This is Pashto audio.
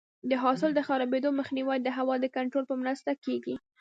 د حاصل د خرابېدو مخنیوی د هوا د کنټرول په مرسته کېږي.